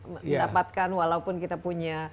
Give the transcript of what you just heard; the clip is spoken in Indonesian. mendapatkan walaupun kita punya